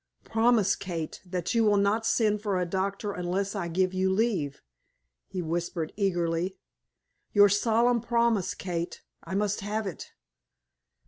"Promise, Kate, that you will not send for a doctor, unless I give you leave," he whispered, eagerly. "Your solemn promise, Kate; I must have it."